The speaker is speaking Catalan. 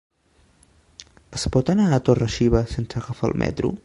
Es pot anar a Torre-xiva sense agafar el metro?